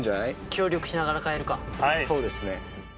協力しながら帰るかそうですね